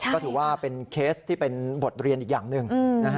ก็ถือว่าเป็นเคสที่เป็นบทเรียนอีกอย่างหนึ่ง